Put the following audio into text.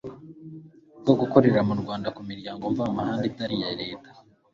bwo gukorera mu rwanda ku miryango mvamahanga itari iya leta